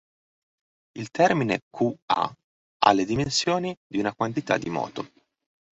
Il termine "q"A ha le dimensioni di una quantità di moto.